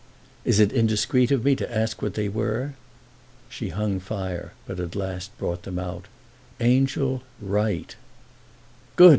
"Is it indiscreet of me to ask what they were?" She hung fire, but at last brought them out. "'Angel, write.'" "Good!"